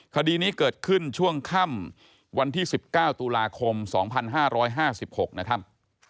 คดีนี้เกิดขึ้นช่วงค่ำวันที่๑๙ตุลาคม๒๕๕๖นะครับ